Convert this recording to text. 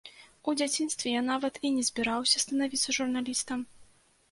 У дзяцінстве я нават і не збіраўся станавіцца журналістам.